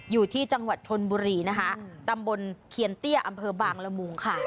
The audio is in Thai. อยู่ที่จังหวัดชนบุรีนะคะตำบลเคียนเตี้ยอำเภอบางละมุงค่ะ